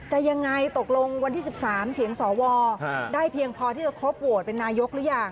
ยังไงตกลงวันที่๑๓เสียงสวได้เพียงพอที่จะครบโหวตเป็นนายกหรือยัง